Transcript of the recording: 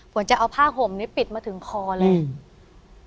ฝนจะเอาผ้าห่มเนี้ยปิดมาถึงคอแล้ว